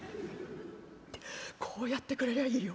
「こうやってくれりゃいいよ。